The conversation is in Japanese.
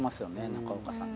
中岡さんに。